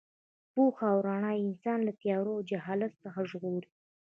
پوهه او رڼا انسان له تیارو او جهالت څخه ژغوري.